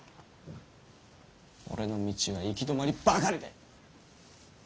俺の道は行き止まりばかりだ。